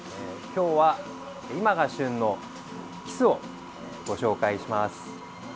今日は今が旬のキスをご紹介します。